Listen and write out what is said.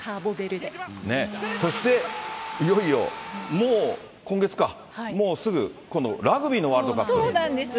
そしていよいよもう今月か、もうすぐ、今度、そうなんです。